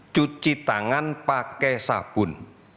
cuci tangan pakai sabun